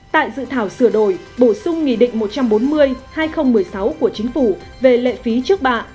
tại dự thảo sửa đổi bổ sung nghị định một trăm bốn mươi hai nghìn một mươi sáu của chính phủ về lệ phí trước bạ